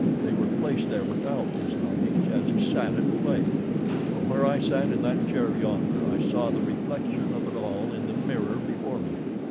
They were placed there without his knowledge as he sat at play. From where I sat in that chair yonder I saw the reflection of it all in the mirror before me.